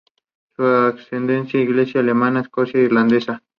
Su ascendencia es inglesa, alemana, escocesa e irlandesa.